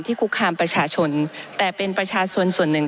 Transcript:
คุกคามประชาชนแต่เป็นประชาชนส่วนหนึ่ง